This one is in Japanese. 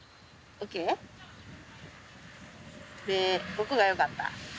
ここがよかった？